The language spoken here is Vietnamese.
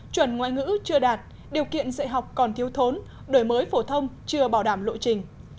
chuẩn ngoại ngữ chưa đạt điều kiện dạy học còn thiếu thốn đổi mới phổ thông chưa bảo đảm lộ trình